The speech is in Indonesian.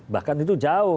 bahkan itu jauh